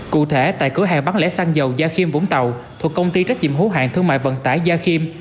cụ thể tại cửa hàng bán lẻ xăng dầu gia khiêm vũng tàu thuộc công ty trách nhiệm hữu hạng thương mại vận tải gia khiêm